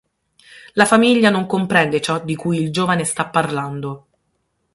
La famiglia non comprende ciò di cui il giovane sta parlando.